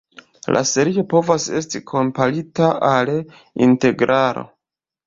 La serio povas esti komparita al integralo.